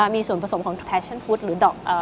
มีส่วนผสมของแฟชั่นพุธหรือดอก